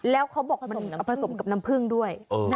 แล้วเขาบอกมันผสมกับน้ำผึ้งด้วย